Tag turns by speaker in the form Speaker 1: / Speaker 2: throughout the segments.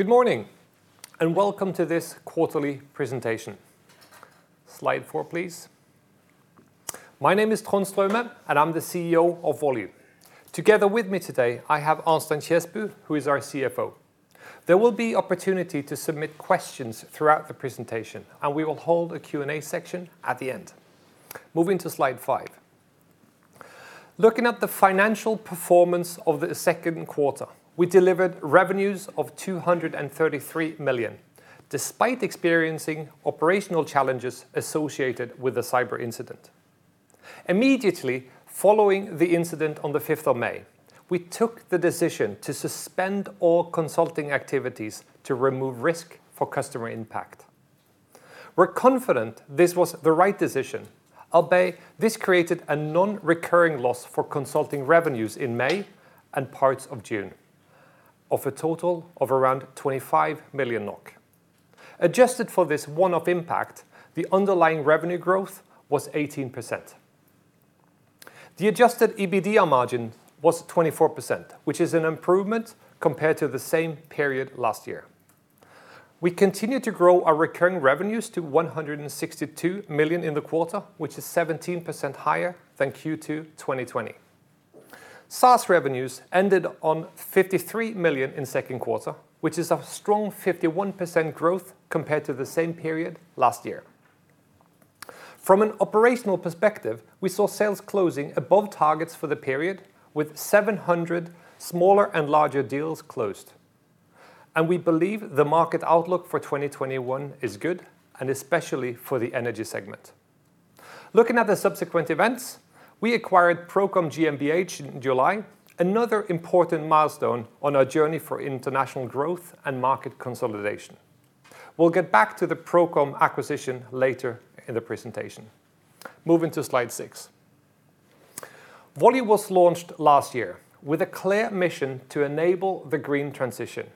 Speaker 1: Good morning. Welcome to this quarterly presentation. Slide 4, please. My name is Trond Straume, and I am the CEO of Volue. Together with me today, I have Arnstein Kjesbu, who is our CFO. There will be opportunity to submit questions throughout the presentation, and we will hold a Q&A section at the end. Moving to slide 5. Looking at the financial performance of the second quarter, we delivered revenues of 233 million, despite experiencing operational challenges associated with the cyber incident. Immediately following the incident on the 5th of May, we took the decision to suspend all consulting activities to remove risk for customer impact. We are confident this was the right decision, albeit this created a non-recurring loss for consulting revenues in May and parts of June of a total of around 25 million NOK. Adjusted for this one-off impact, the underlying revenue growth was 18%. The adjusted EBITDA margin was 24%, which is an improvement compared to the same period last year. We continued to grow our recurring revenues to 162 million in the quarter, which is 17% higher than Q2 2020. SaaS revenues ended on 53 million in second quarter, which is a strong 51% growth compared to the same period last year. From an operational perspective, we saw sales closing above targets for the period, with 700 smaller and larger deals closed. We believe the market outlook for 2021 is good, and especially for the energy segment. Looking at the subsequent events, we acquired ProCom GmbH in July, another important milestone on our journey for international growth and market consolidation. We'll get back to the ProCom acquisition later in the presentation. Moving to slide 6. Volue was launched last year with a clear mission to enable the green transition.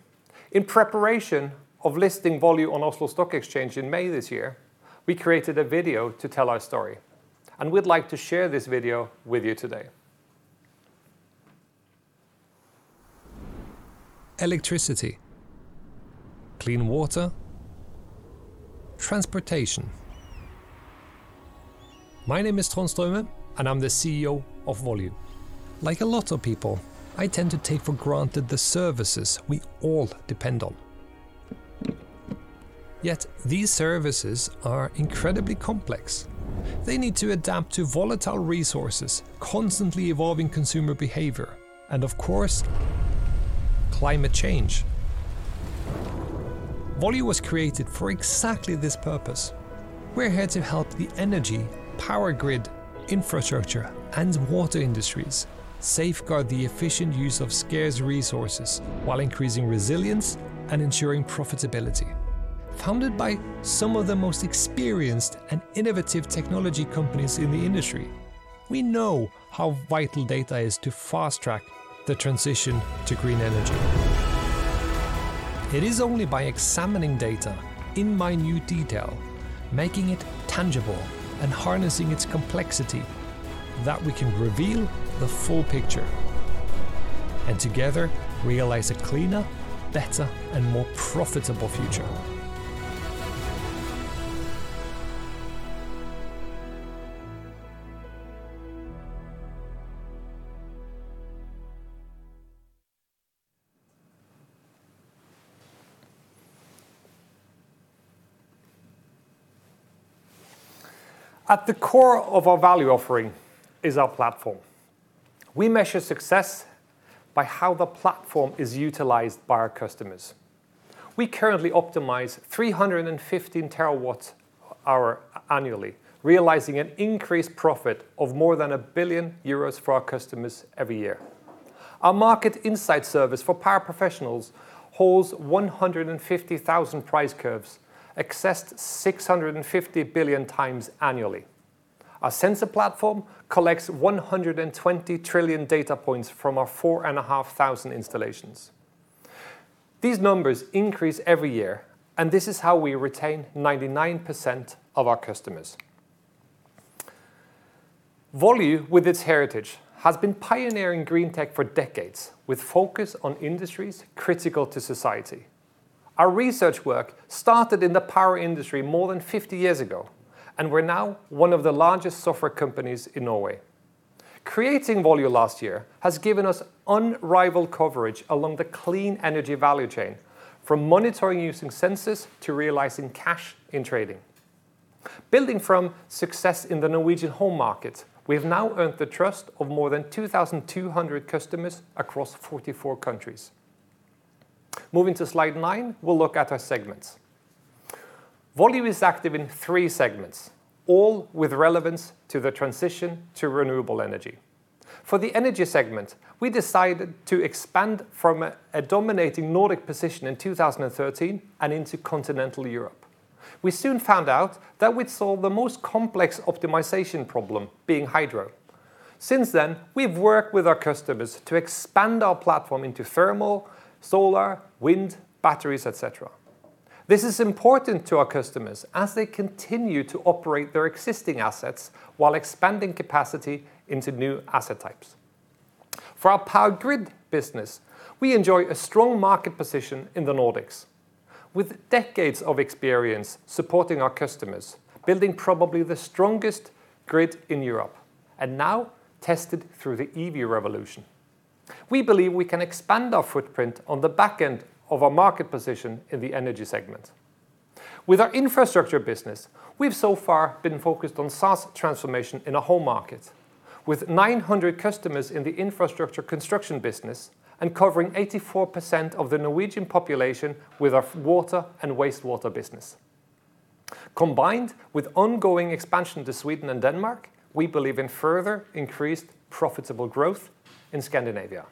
Speaker 1: In preparation of listing Volue on Oslo Stock Exchange in May this year, we created a video to tell our story, and we'd like to share this video with you today.
Speaker 2: Electricity. Clean water. Transportation. My name is Trond Straume, and I'm the CEO of Volue. Like a lot of people, I tend to take for granted the services we all depend on. Yet these services are incredibly complex. They need to adapt to volatile resources, constantly evolving consumer behavior, and of course, climate change. Volue was created for exactly this purpose. We're here to help the energy, power grid, infrastructure, and water industries safeguard the efficient use of scarce resources while increasing resilience and ensuring profitability. Founded by some of the most experienced and innovative technology companies in the industry, we know how vital data is to fast-track the transition to green energy. It is only by examining data in minute detail, making it tangible, and harnessing its complexity that we can reveal the full picture and together realize a cleaner, better, and more profitable future.
Speaker 1: At the core of our value offering is our platform. We measure success by how the platform is utilized by our customers. We currently optimize 315 terawatts annually, realizing an increased profit of more than 1 billion euros for our customers every year. Our market insight service for power professionals holds 150,000 price curves, accessed 650 billion times annually. Our sensor platform collects 120 trillion data points from our 4,500 installations. These numbers increase every year, and this is how we retain 99% of our customers. Volue, with its heritage, has been pioneering green tech for decades, with focus on industries critical to society. Our research work started in the power industry more than 50 years ago, and we're now one of the largest software companies in Norway. Creating Volue last year has given us unrivaled coverage along the clean energy value chain, from monitoring using sensors to realizing cash in trading. Building from success in the Norwegian home market, we have now earned the trust of more than 2,200 customers across 44 countries. Moving to slide 9, we'll look at our segments. Volue is active in 3 segments, all with relevance to the transition to renewable energy. For the energy segment, we decided to expand from a dominating Nordic position in 2013 and into continental Europe. We soon found out that we'd solved the most complex optimization problem, being hydro. Since then, we've worked with our customers to expand our platform into thermal, solar, wind, batteries, et cetera. This is important to our customers as they continue to operate their existing assets while expanding capacity into new asset types. For our power grid business, we enjoy a strong market position in the Nordics. With decades of experience supporting our customers, building probably the strongest grid in Europe, and now tested through the EV revolution. We believe we can expand our footprint on the back end of our market position in the energy segment. With our infrastructure business, we've so far been focused on SaaS transformation in our home market, with 900 customers in the infrastructure construction business and covering 84% of the Norwegian population with our water and wastewater business. Combined with ongoing expansion to Sweden and Denmark, we believe in further increased profitable growth in Scandinavia.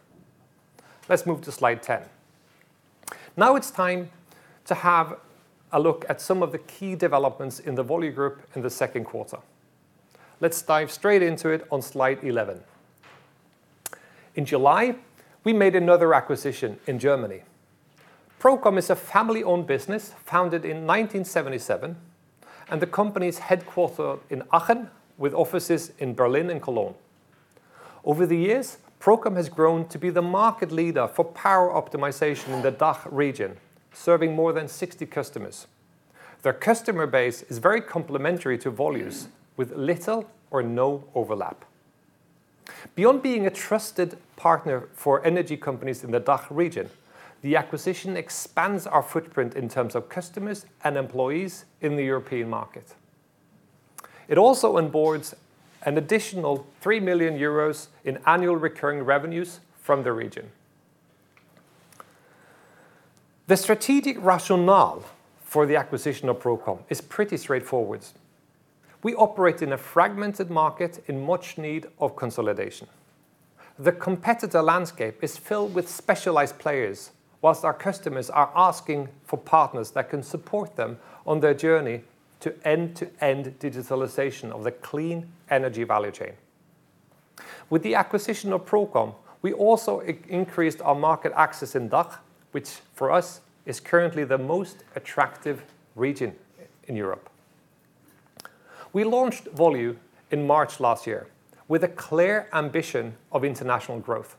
Speaker 1: Let's move to slide 10. Now it's time to have a look at some of the key developments in the Volue Group in the second quarter. Let's dive straight into it on slide 11. In July, we made another acquisition in Germany. ProCom is a family-owned business founded in 1977. The company is headquartered in Aachen with offices in Berlin and Cologne. Over the years, ProCom has grown to be the market leader for power optimization in the DACH region, serving more than 60 customers. Their customer base is very complementary to Volue's, with little or no overlap. Beyond being a trusted partner for energy companies in the DACH region, the acquisition expands our footprint in terms of customers and employees in the European market. It also onboards an additional 3 million euros in annual recurring revenues from the region. The strategic rationale for the acquisition of ProCom is pretty straightforward. We operate in a fragmented market in much need of consolidation. The competitor landscape is filled with specialized players, whilst our customers are asking for partners that can support them on their journey to end-to-end digitalization of the clean energy value chain. With the acquisition of ProCom, we also increased our market access in DACH, which for us is currently the most attractive region in Europe. We launched Volue in March last year with a clear ambition of international growth.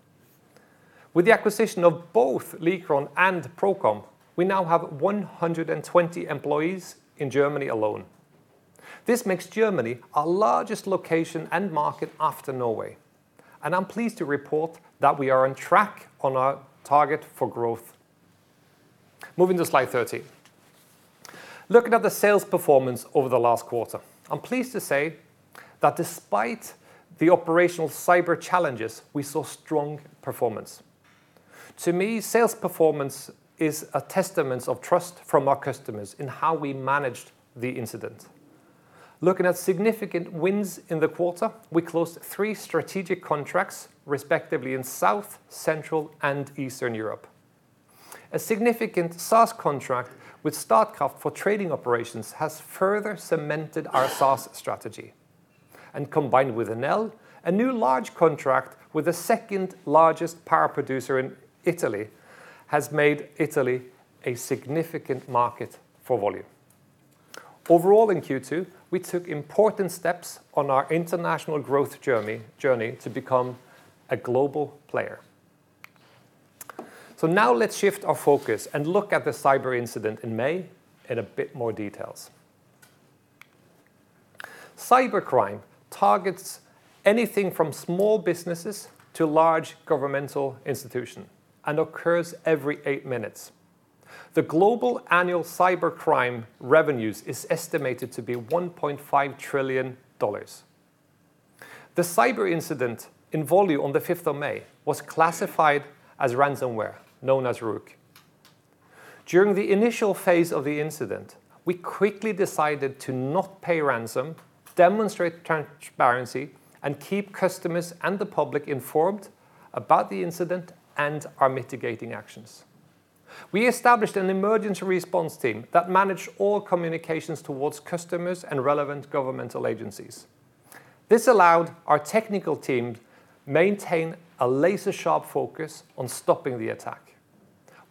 Speaker 1: With the acquisition of both Likron and ProCom, we now have 120 employees in Germany alone. This makes Germany our largest location and market after Norway, and I'm pleased to report that we are on track on our target for growth. Moving to slide 13. Looking at the sales performance over the last quarter, I'm pleased to say that despite the operational cyber challenges, we saw strong performance. To me, sales performance is a testament of trust from our customers in how we managed the incident. Looking at significant wins in the quarter, we closed 3 strategic contracts, respectively in South, Central, and Eastern Europe. A significant SaaS contract with Statkraft for trading operations has further cemented our SaaS strategy. Combined with Enel, a new large contract with the second-largest power producer in Italy has made Italy a significant market for Volue. Overall, in Q2, we took important steps on our international growth journey to become a global player. Now let's shift our focus and look at the cyber incident in May in a bit more details. Cybercrime targets anything from small businesses to large governmental institutions and occurs every 8 minutes. The global annual cybercrime revenues is estimated to be $1.5 trillion. The cyber incident in Volue on the 5th of May was classified as ransomware, known as Ryuk. During the initial phase of the incident, we quickly decided to not pay ransom, demonstrate transparency, and keep customers and the public informed about the incident and our mitigating actions. We established an emergency response team that managed all communications towards customers and relevant governmental agencies. This allowed our technical team maintain a laser-sharp focus on stopping the attack.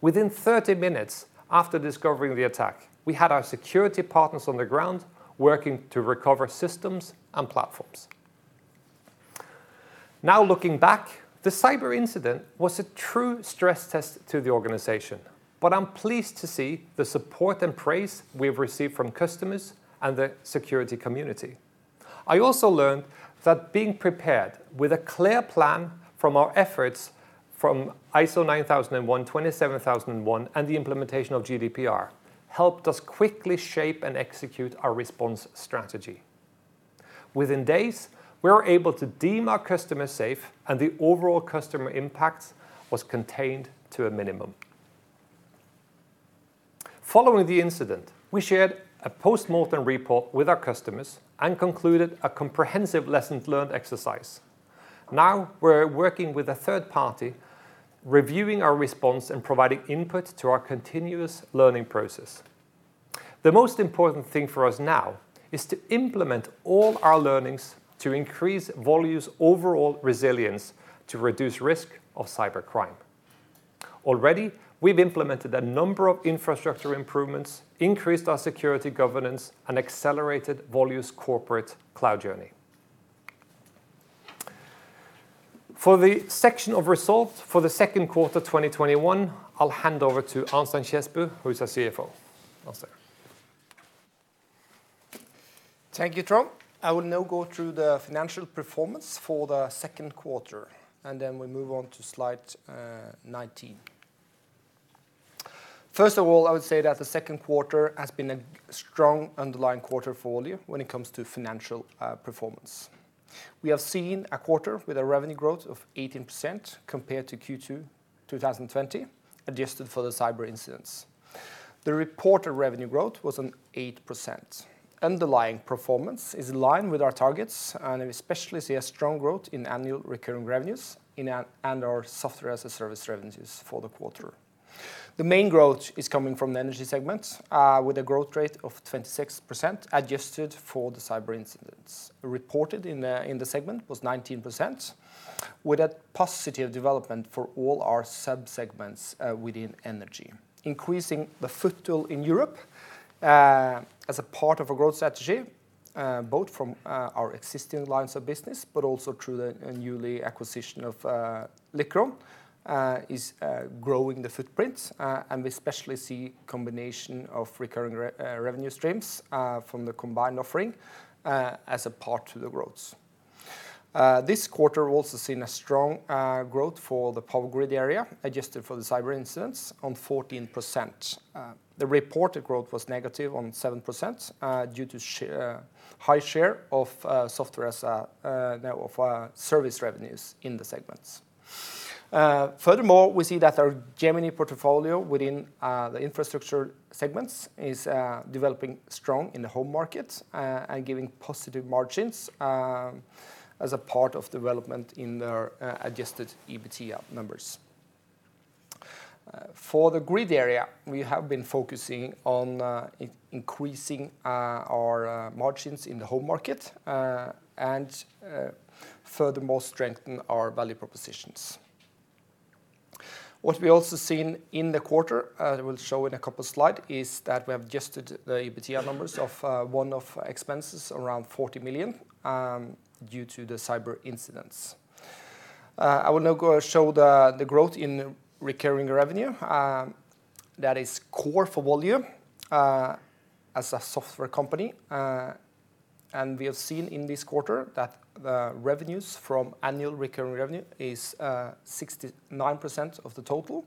Speaker 1: Within 30 minutes after discovering the attack, we had our security partners on the ground working to recover systems and platforms. Now looking back, the cyber incident was a true stress test to the organization, but I'm pleased to see the support and praise we've received from customers and the security community. I also learned that being prepared with a clear plan from our efforts from ISO 9001, ISO 27001, and the implementation of GDPR helped us quickly shape and execute our response strategy. Within days, we were able to deem our customers safe and the overall customer impact was contained to a minimum. Following the incident, we shared a post-mortem report with our customers and concluded a comprehensive lessons learned exercise. We're working with a third party, reviewing our response and providing input to our continuous learning process. The most important thing for us now is to implement all our learnings to increase Volue's overall resilience to reduce risk of cybercrime. We've implemented a number of infrastructure improvements, increased our security governance, and accelerated Volue's corporate cloud journey. For the section of results for the second quarter 2021, I'll hand over to Arnstein Kjesbu, who's our CFO. Arnstein?
Speaker 3: Thank you, Trond. I will now go through the financial performance for the second quarter, and then we move on to slide 19. First of all, I would say that the second quarter has been a strong underlying quarter for Volue when it comes to financial performance. We have seen a quarter with a revenue growth of 18% compared to Q2 2020, adjusted for the cyber incidents. The reported revenue growth was an 8%. Underlying performance is in line with our targets, and we especially see a strong growth in annual recurring revenues and our software as a service revenues for the quarter. The main growth is coming from the energy segment, with a growth rate of 26% adjusted for the cyber incidents. Reported in the segment was 19%, with a positive development for all our sub-segments within energy. Increasing the foothold in Europe, as a part of a growth strategy, both from our existing lines of business but also through the newly acquisition of Likron, is growing the footprint. We especially see combination of recurring revenue streams from the combined offering as a part to the growths. This quarter, we've also seen a strong growth for the power grid area, adjusted for the cyber incidents, on 14%. The reported growth was negative on 7% due to high share of service revenues in the segments. Furthermore, we see that our Gemini portfolio within the infrastructure segments is developing strong in the home market and giving positive margins as a part of development in our adjusted EBITDA numbers. For the grid area, we have been focusing on increasing our margins in the home market and furthermore strengthen our value propositions. What we also seen in the quarter, I will show in a couple slide, is that we have adjusted the EBITDA numbers of one of expenses around 40 million due to the cyber incidents. I will now show the growth in recurring revenue that is core for Volue as a software company. We have seen in this quarter that the revenues from annual recurring revenue is 69% of the total,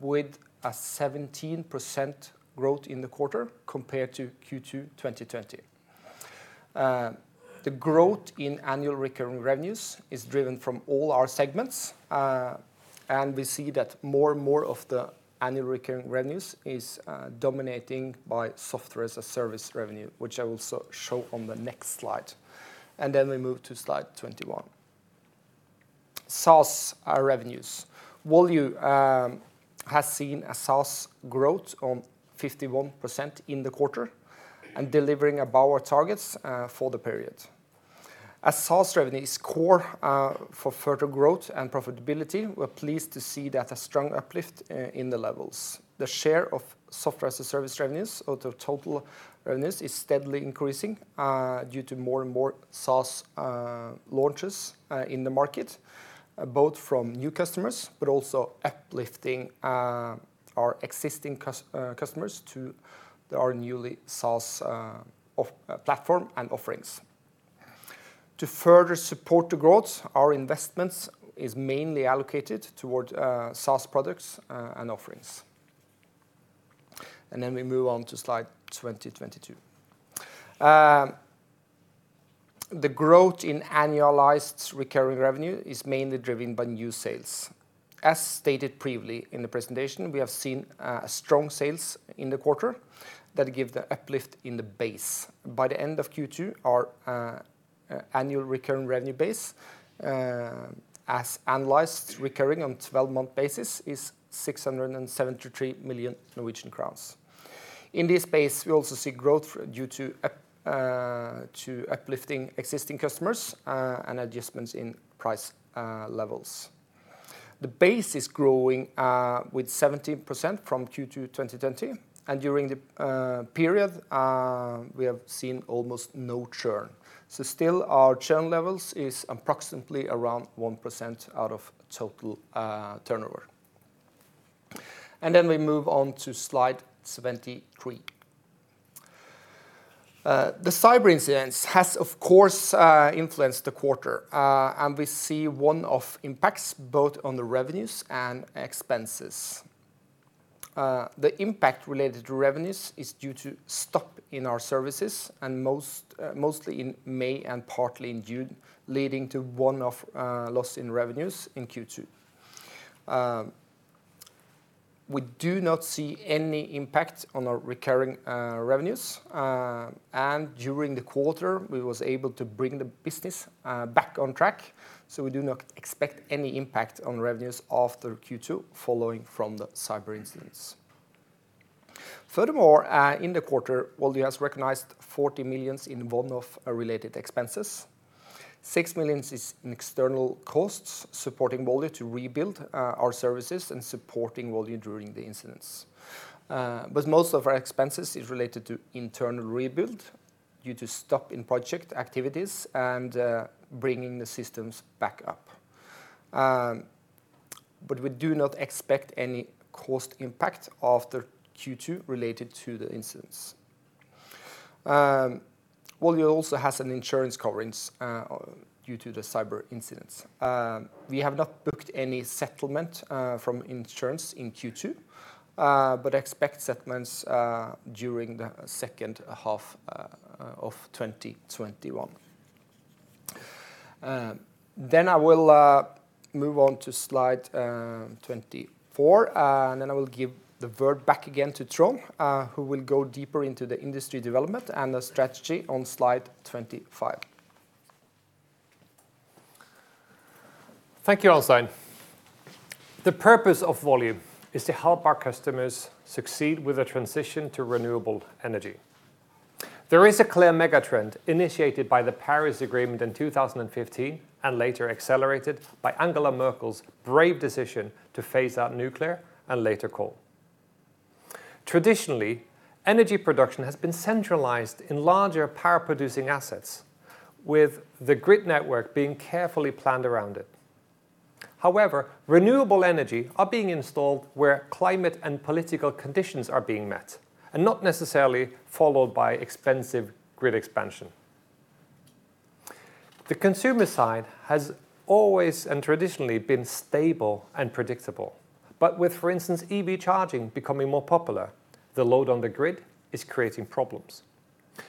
Speaker 3: with a 17% growth in the quarter compared to Q2 2020. The growth in annual recurring revenues is driven from all our segments. We see that more and more of the annual recurring revenues is dominating by software as a service revenue, which I will show on the next slide. Then we move to slide 21. SaaS revenues. Volue has seen a SaaS growth on 51% in the quarter and delivering above our targets for the period. As SaaS revenue is core for further growth and profitability, we're pleased to see that a strong uplift in the levels. The share of software as a service revenues out of total earnings is steadily increasing due to more and more SaaS launches in the market, both from new customers but also uplifting our existing customers to our newly SaaS platform and offerings. To further support the growth, our investments is mainly allocated towards SaaS products and offerings. We move on to slide 2022. The growth in annualized recurring revenue is mainly driven by new sales. As stated previously in the presentation, we have seen strong sales in the quarter that give the uplift in the base. By the end of Q2, our annual recurring revenue base, as analyzed recurring on 12-month basis, is 673 million Norwegian crowns. In this base, we also see growth due to uplifting existing customers and adjustments in price levels. The base is growing with 17% from Q2 2020, and during the period, we have seen almost no churn. Still our churn levels is approximately around 1% out of total turnover. We move on to slide 23. The cyber incidents has, of course, influenced the quarter. We see one-off impacts both on the revenues and expenses. The impact related to revenues is due to stop in our services mostly in May and partly in June, leading to one-off loss in revenues in Q2. We do not see any impact on our recurring revenues. During the quarter, we was able to bring the business back on track, so we do not expect any impact on revenues after Q2 following from the cyber incidents. Furthermore, in the quarter, Volue has recognized 40 million in one-off related expenses. 6 million is in external costs supporting Volue to rebuild our services and supporting Volue during the incidents. Most of our expenses is related to internal rebuild due to stop in project activities and bringing the systems back up. We do not expect any cost impact after Q2 related to the incidents. Volue also has an insurance coverage due to the cyber incidents. We have not booked any settlement from insurance in Q2, but expect settlements during the second half of 2021. I will move on to slide 24, and then I will give the word back again to Trond, who will go deeper into the industry development and the strategy on slide 25.
Speaker 1: Thank you, Arnstein. The purpose of Volue is to help our customers succeed with a transition to renewable energy. There is a clear mega trend initiated by the Paris Agreement in 2015 and later accelerated by Angela Merkel's brave decision to phase out nuclear and later coal. Traditionally, energy production has been centralized in larger power producing assets, with the grid network being carefully planned around it. Renewable energy are being installed where climate and political conditions are being met and not necessarily followed by expensive grid expansion. The consumer side has always and traditionally been stable and predictable, with, for instance, EV charging becoming more popular, the load on the grid is creating problems.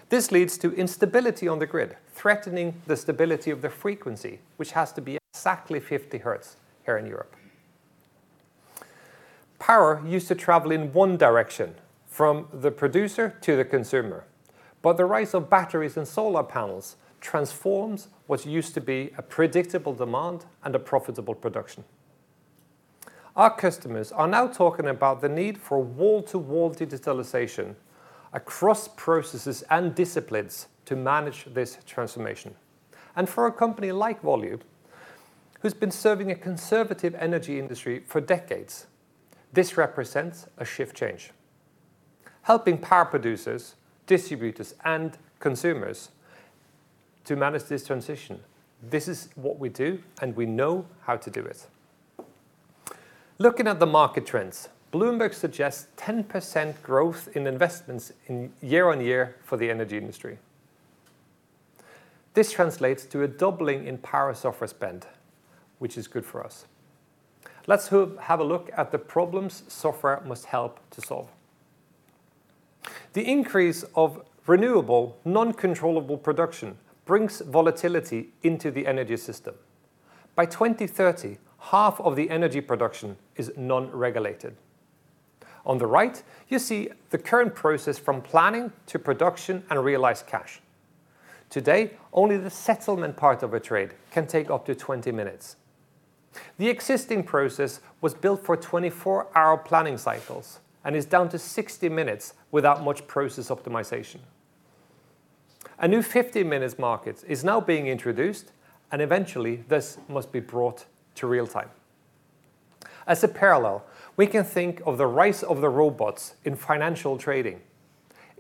Speaker 1: This leads to instability on the grid, threatening the stability of the frequency, which has to be exactly 15-minute here in Europe. Power used to travel in one direction, from the producer to the consumer, but the rise of batteries and solar panels transforms what used to be a predictable demand and a profitable production. Our customers are now talking about the need for wall-to-wall digitalization across processes and disciplines to manage this transformation. For a company like Volue, who's been serving a conservative energy industry for decades, this represents a shift change. Helping power producers, distributors, and consumers to manage this transition, this is what we do, and we know how to do it. Looking at the market trends, Bloomberg suggests 10% growth in investments year on year for the energy industry. This translates to a doubling in power software spend, which is good for us. Let's have a look at the problems software must help to solve. The increase of renewable, non-controllable production brings volatility into the energy system. By 2030, half of the energy production is non-regulated. On the right, you see the current process from planning to production and realized cash. Today, only the settlement part of a trade can take up to 20 minutes. The existing process was built for 24-hour planning cycles and is down to 60 minutes without much process optimization. A new 15-minute market is now being introduced, and eventually this must be brought to real time. As a parallel, we can think of the rise of the robots in financial trading.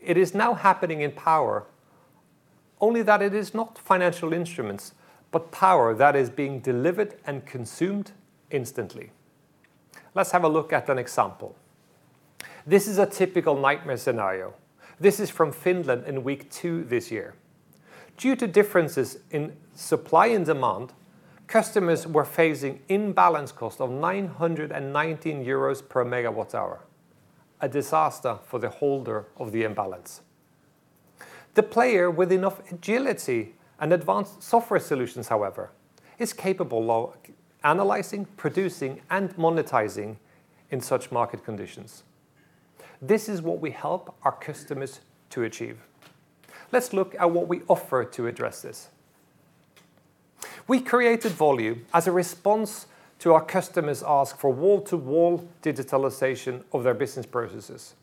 Speaker 1: It is now happening in power, only that it is not financial instruments, but power that is being delivered and consumed instantly. Let's have a look at an example. This is a typical nightmare scenario. This is from Finland in week 2 this year. Due to differences in supply and demand, customers were facing imbalance cost of 919 euros per megawatt hour, a disaster for the holder of the imbalance. The player with enough agility and advanced software solutions, however, is capable of analyzing, producing, and monetizing in such market conditions. This is what we help our customers to achieve. Let's look at what we offer to address this. We created Volue as a response to our customers' ask for wall-to-wall digitalization of their business processes.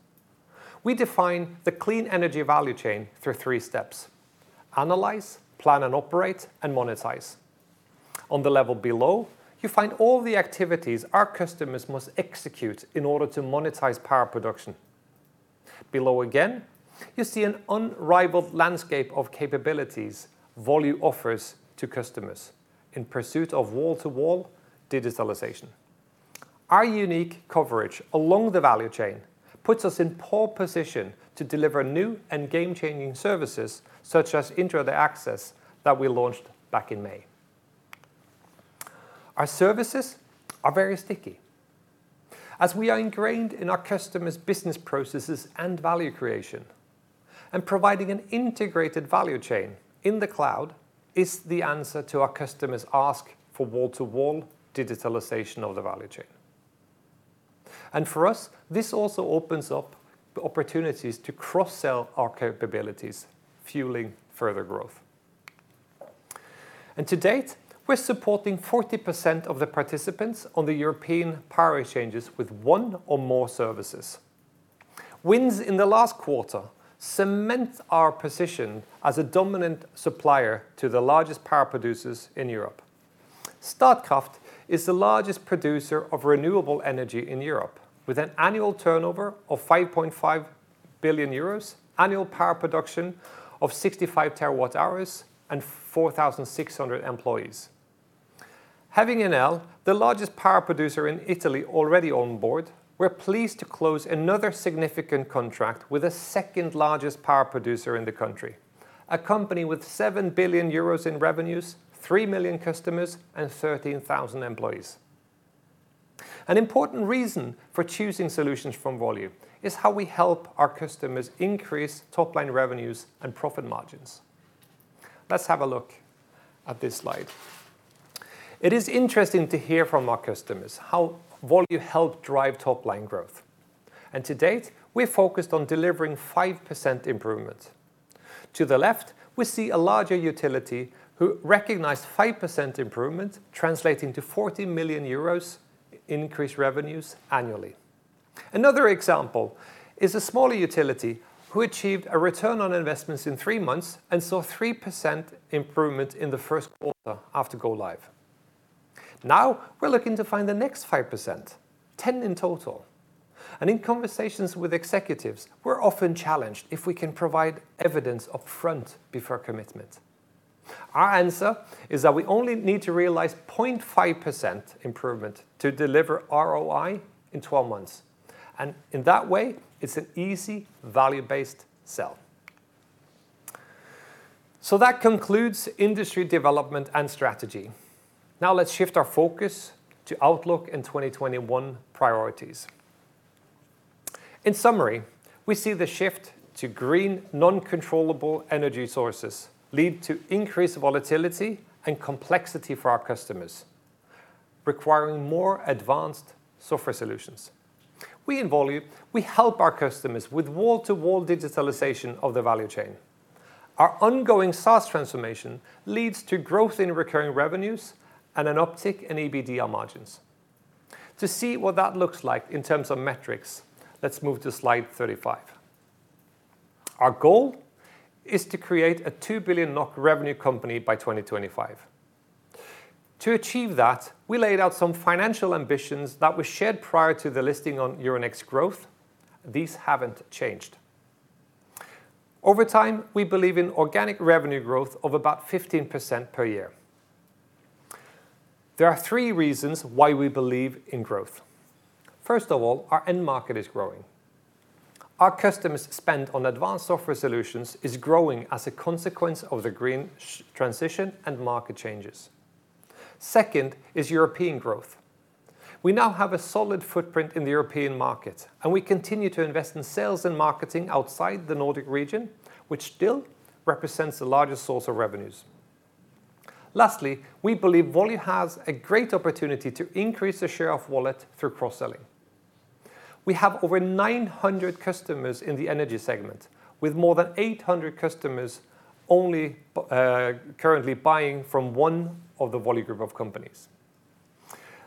Speaker 1: We define the clean energy value chain through three steps: analyze, plan and operate, and monetize. On the level below, you find all the activities our customers must execute in order to monetize power production. Below again, you see an unrivaled landscape of capabilities Volue offers to customers in pursuit of wall-to-wall digitalization. Our unique coverage along the value chain puts us in pole position to deliver new and game-changing services such as Intraday Access that we launched back in May. Our services are very sticky, as we are ingrained in our customers' business processes and value creation, and providing an integrated value chain in the cloud is the answer to our customers' ask for wall-to-wall digitalization of the value chain. For us, this also opens up the opportunities to cross-sell our capabilities, fueling further growth. To date, we're supporting 40% of the participants on the European power exchanges with one or more services. Wins in the last quarter cements our position as a dominant supplier to the largest power producers in Europe. Statkraft is the largest producer of renewable energy in Europe, with an annual turnover of 5.5 billion euros, annual power production of 65 terawatt-hours, and 4,600 employees. Having Enel, the largest power producer in Italy, already on board, we're pleased to close another significant contract with the second-largest power producer in the country, a company with 7 billion euros in revenues, 3 million customers, and 13,000 employees. An important reason for choosing solutions from Volue is how we help our customers increase top-line revenues and profit margins. Let's have a look at this slide. It is interesting to hear from our customers how Volue helped drive top-line growth, and to date, we're focused on delivering 5% improvement. To the left, we see a larger utility who recognized 5% improvement translating to 40 million euros increased revenues annually. Another example is a smaller utility who achieved a return on investments in 3 months and saw 3% improvement in the first quarter after go live. Now we're looking to find the next 5%, 10% in total. In conversations with executives, we're often challenged if we can provide evidence upfront before commitment. Our answer is that we only need to realize 0.5% improvement to deliver ROI in 12 months. In that way, it's an easy value-based sell. That concludes industry development and strategy. Now let's shift our focus to outlook and 2021 priorities. In summary, we see the shift to green non-controllable energy sources lead to increased volatility and complexity for our customers, requiring more advanced software solutions. We in Volue help our customers with wall-to-wall digitalization of the value chain. Our ongoing SaaS transformation leads to growth in recurring revenues and an uptick in EBITDA margins. To see what that looks like in terms of metrics, let's move to slide 35. Our goal is to create a 2 billion NOK revenue company by 2025. To achieve that, we laid out some financial ambitions that were shared prior to the listing on Euronext Growth. These haven't changed. Over time, we believe in organic revenue growth of about 15% per year. There are three reasons why we believe in growth. First of all, our end market is growing. Our customers' spend on advanced software solutions is growing as a consequence of the green transition and market changes. Second is European growth. We now have a solid footprint in the European market, and we continue to invest in sales and marketing outside the Nordic region, which still represents the largest source of revenues. Lastly, we believe Volue has a great opportunity to increase the share of wallet through cross-selling. We have over 900 customers in the energy segment, with more than 800 customers only, currently buying from one of the Volue group of companies.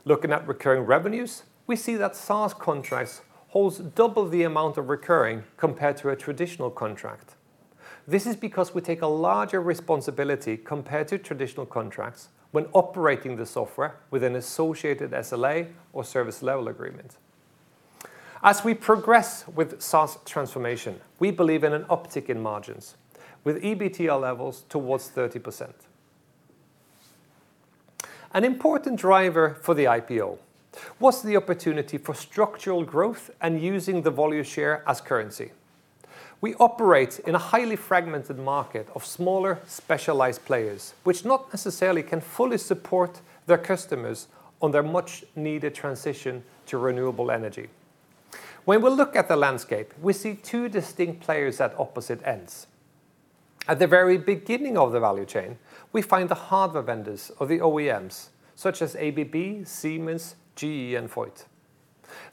Speaker 1: Looking at recurring revenues, we see that SaaS contracts holds double the amount of recurring compared to a traditional contract. This is because we take a larger responsibility compared to traditional contracts when operating the software with an associated SLA or service level agreement. As we progress with SaaS transformation, we believe in an uptick in margins with EBITDA levels towards 30%. An important driver for the IPO was the opportunity for structural growth and using the Volue share as currency. We operate in a highly fragmented market of smaller specialized players, which not necessarily can fully support their customers on their much-needed transition to renewable energy. When we look at the landscape, we see two distinct players at opposite ends. At the very beginning of the value chain, we find the hardware vendors or the OEMs such as ABB, Siemens, GE, and Voith.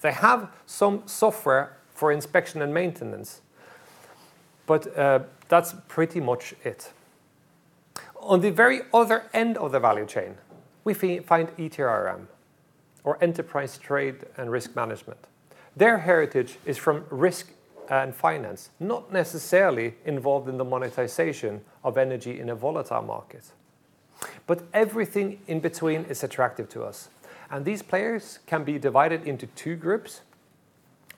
Speaker 1: They have some software for inspection and maintenance, but that's pretty much it. On the very other end of the value chain, we find ETRM or enterprise trade and risk management. Their heritage is from risk and finance, not necessarily involved in the monetization of energy in a volatile market. Everything in between is attractive to us, and these players can be divided into two groups.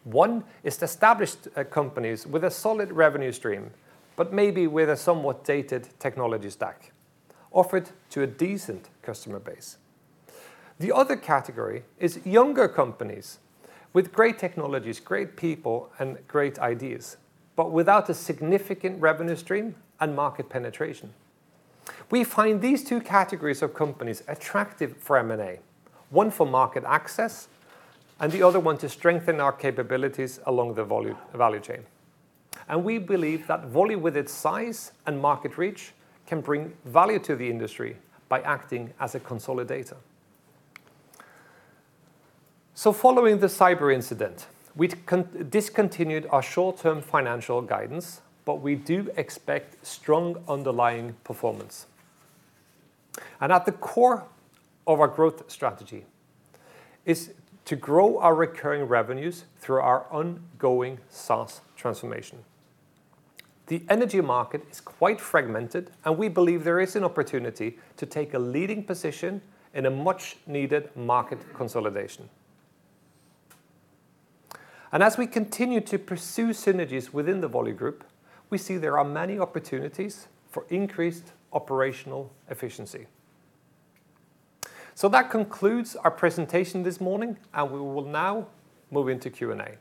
Speaker 1: One is established companies with a solid revenue stream, but maybe with a somewhat dated technology stack offered to a decent customer base. The other category is younger companies with great technologies, great people, and great ideas, but without a significant revenue stream and market penetration. We find these two categories of companies attractive for M&A, one for market access and the other one to strengthen our capabilities along the value chain. We believe that Volue, with its size and market reach, can bring value to the industry by acting as a consolidator. Following the cyber incident, we discontinued our short-term financial guidance, but we do expect strong underlying performance. At the core of our growth strategy is to grow our recurring revenues through our ongoing SaaS transformation. The energy market is quite fragmented, and we believe there is an opportunity to take a leading position in a much-needed market consolidation. As we continue to pursue synergies within the Volue group, we see there are many opportunities for increased operational efficiency. That concludes our presentation this morning, and we will now move into Q&A.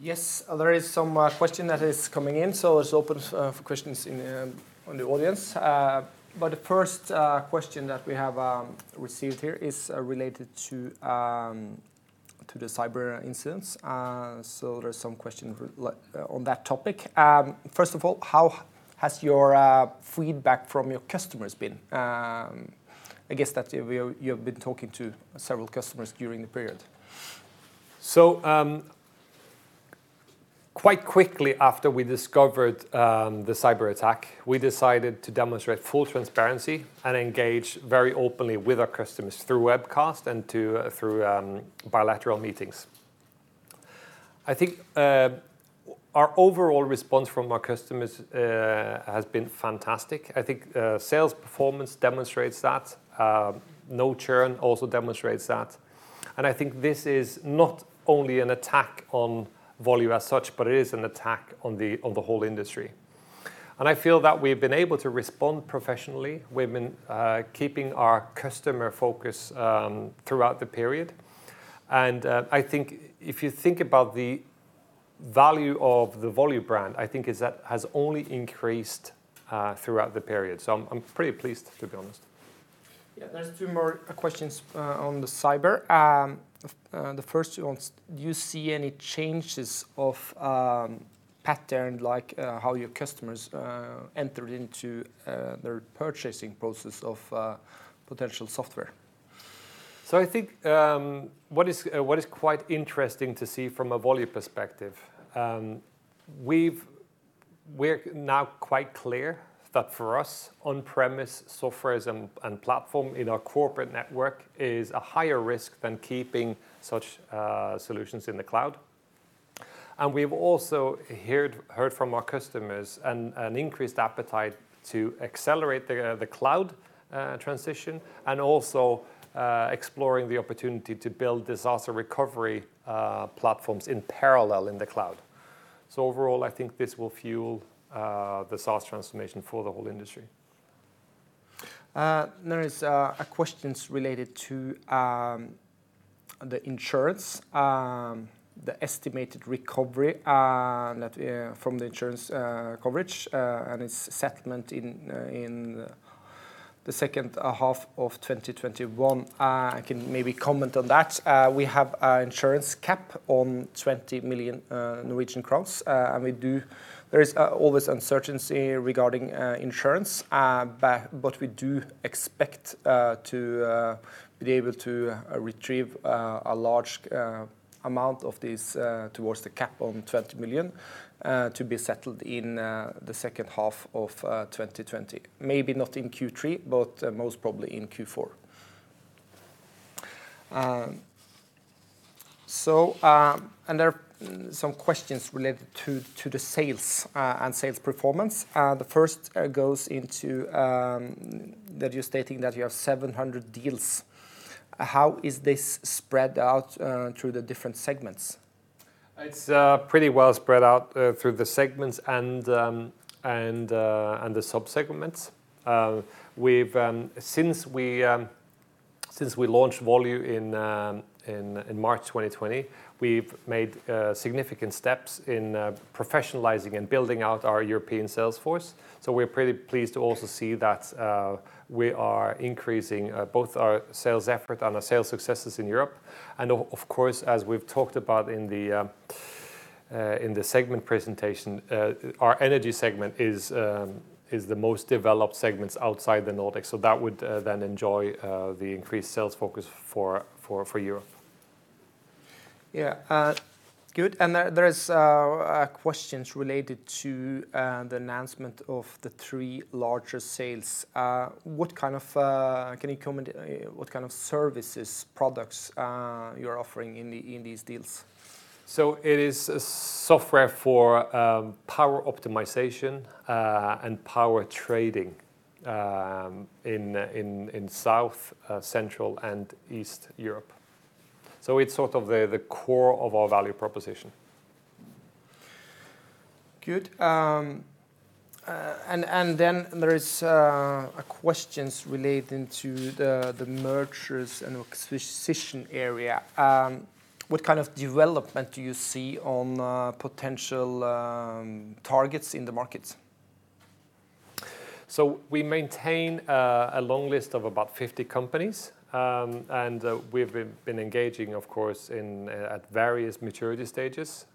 Speaker 3: Yes, there is some question that is coming in. Let's open for questions in the audience. The first question that we have received here is related to the cyber incidents. There's some questions on that topic. First of all, how has your feedback from your customers been? I guess that you have been talking to several customers during the period.
Speaker 1: Quite quickly after we discovered the cyberattack, we decided to demonstrate full transparency and engage very openly with our customers through webcast and through bilateral meetings. I think our overall response from our customers has been fantastic. I think sales performance demonstrates that. No churn also demonstrates that. I think this is not only an attack on Volue as such, but it is an attack on the whole industry. I feel that we've been able to respond professionally. We've been keeping our customer focus throughout the period. I think if you think about the value of the Volue brand, I think that has only increased throughout the period. I'm pretty pleased, to be honest.
Speaker 3: Yeah. There are two more questions on the cyber. The first one is, do you see any changes of pattern, like how your customers enter into their purchasing process of potential software?
Speaker 1: I think what is quite interesting to see from a Volue perspective, we're now quite clear that for us, on-premise softwares and platform in our corporate network is a higher risk than keeping such solutions in the cloud. We've also heard from our customers an increased appetite to accelerate the cloud transition and also exploring the opportunity to build disaster recovery platforms in parallel in the cloud. Overall, I think this will fuel the SaaS transformation for the whole industry.
Speaker 3: There is a question related to the insurance, the estimated recovery from the insurance coverage, and its settlement in the second half of 2021. I can maybe comment on that. We have an insurance cap on 20 million Norwegian crowns. There is always uncertainty regarding insurance. We do expect to be able to retrieve a large amount of this towards the cap on 20 million to be settled in the second half of 2021, maybe not in Q3, but most probably in Q4. There are some questions related to the sales and sales performance. The first goes into that you're stating that you have 700 deals. How is this spread out through the different segments?
Speaker 1: It's pretty well spread out through the segments and the sub-segments. Since we launched Volue in March 2020, we've made significant steps in professionalizing and building out our European sales force. We're pretty pleased to also see that we are increasing both our sales effort and our sales successes in Europe. Of course, as we've talked about in the segment presentation, our energy segment is the most developed segments outside the Nordics. That would then enjoy the increased sales focus for Europe.
Speaker 3: Yeah. Good. There is a question related to the announcement of the three larger sales. Can you comment what kind of services, products you're offering in these deals?
Speaker 1: It is a software for power optimization and power trading in South, Central, and East Europe. It's sort of the core of our value proposition.
Speaker 3: Good. There is a question relating to the mergers and acquisition area. What kind of development do you see on potential targets in the market?
Speaker 1: We maintain a long list of about 50 companies, and we've been engaging, of course, at various maturity stages.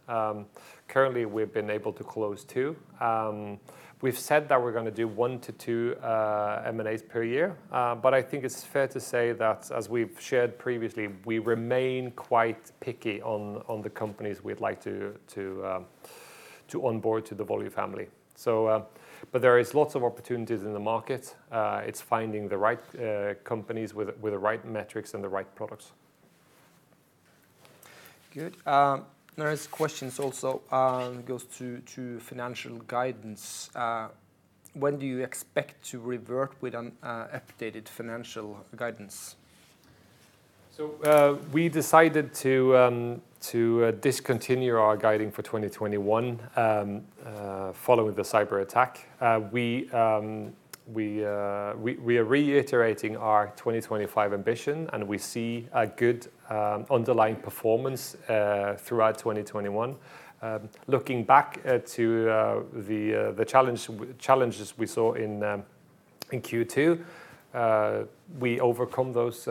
Speaker 1: Currently, we've been able to close 2. We've said that we're going to do 1 to 2 M&As per year, but I think it's fair to say that, as we've shared previously, we remain quite picky on the companies we'd like to onboard to the Volue family. There is lots of opportunities in the market. It's finding the right companies with the right metrics and the right products.
Speaker 3: Good. There is questions also, goes to financial guidance. When do you expect to revert with an updated financial guidance?
Speaker 1: We decided to discontinue our guiding for 2021, following the cyber attack. We are reiterating our 2025 ambition, and we see a good underlying performance throughout 2021. Looking back to the challenges we saw in Q2, we overcome those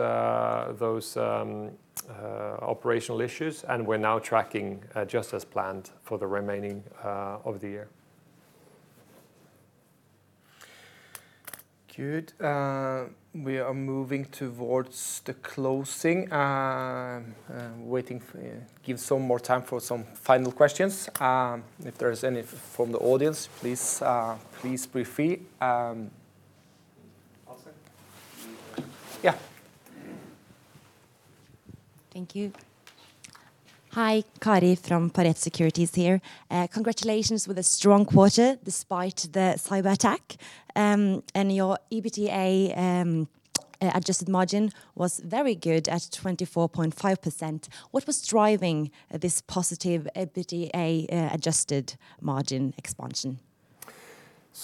Speaker 1: operational issues, and we're now tracking just as planned for the remaining of the year.
Speaker 3: Good. We are moving towards the closing. Give some more time for some final questions. If there is any from the audience, please feel free. Ása? Yeah.
Speaker 4: Thank you. Hi, Kari from Pareto Securities here. Congratulations with a strong quarter despite the cyber attack. Your EBITDA adjusted margin was very good at 24.5%. What was driving this positive EBITDA adjusted margin expansion?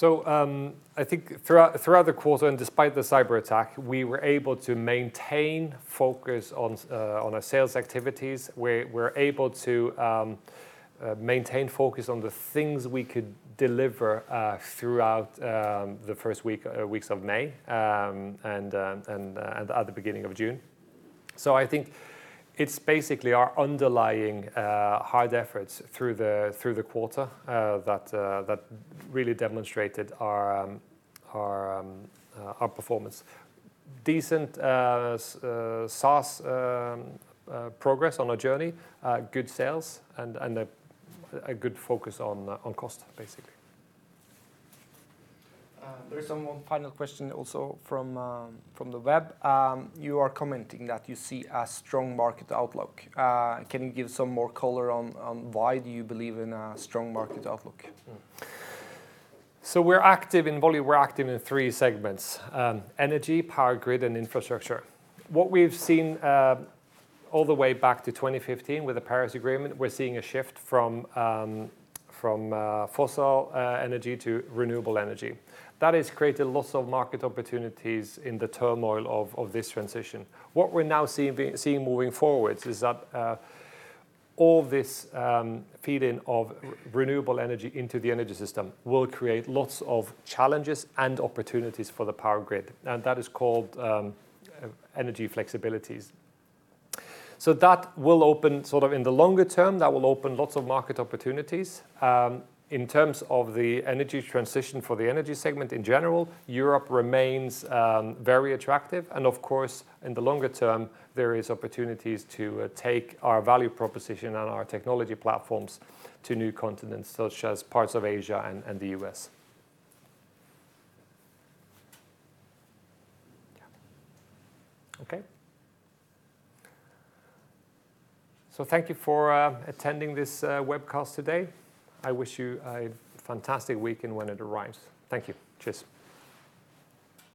Speaker 1: I think throughout the quarter and despite the cyber attack, we were able to maintain focus on our sales activities, we were able to maintain focus on the things we could deliver throughout the first weeks of May, and at the beginning of June. I think it's basically our underlying hard efforts through the quarter that really demonstrated our performance. Decent SaaS progress on our journey, good sales and a good focus on cost, basically.
Speaker 3: There's some final question also from the web. You are commenting that you see a strong market outlook. Can you give some more color on why do you believe in a strong market outlook?
Speaker 1: In Volue, we're active in three segments: energy, power grid, and infrastructure. What we've seen all the way back to 2015 with the Paris Agreement, we're seeing a shift from fossil energy to renewable energy. That has created lots of market opportunities in the turmoil of this transition. What we're now seeing moving forward is that all this feeding of renewable energy into the energy system will create lots of challenges and opportunities for the power grid. That is called energy flexibilities. That will open, sort of in the longer term, that will open lots of market opportunities. In terms of the energy transition for the energy segment in general, Europe remains very attractive and of course, in the longer term, there is opportunities to take our value proposition and our technology platforms to new continents, such as parts of Asia and the U.S. Yeah. Okay. Thank you for attending this webcast today. I wish you a fantastic weekend when it arrives. Thank you. Cheers.